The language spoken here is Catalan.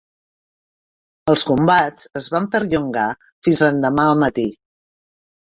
Els combats es van perllongar fins l'endemà al matí.